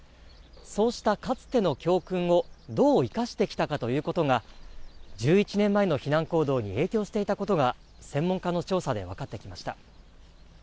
そうしたかつての教訓をどう生かしてきたかということが、１１年前の避難行動に影響していたことが、専門家の調査で分かってきました。